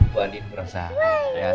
bu adit berasa sempat